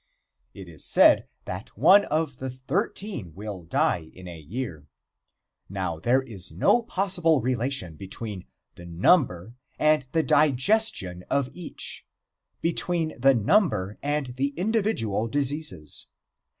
It is said that one of the thirteen will die in a year. Now, there is no possible relation between the number and the digestion of each, between the number and the individual diseases.